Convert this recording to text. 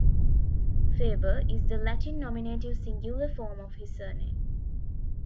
"Faber" is the Latin nominative singular form of his surname.